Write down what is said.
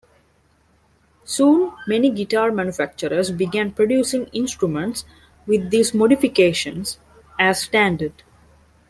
Soon, many guitar manufacturers began producing instruments with these modifications as standard.